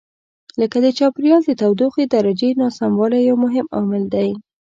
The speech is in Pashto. لکه د چاپېریال د تودوخې درجې ناسموالی یو مهم عامل دی.